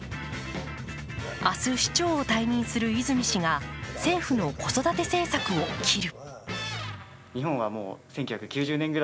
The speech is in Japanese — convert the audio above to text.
明日、市長を退任する泉氏が政府の子育て政策を斬る。